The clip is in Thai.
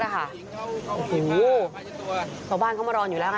โอ้โหสวบาลเข้ามารอนอยู่แล้วนะ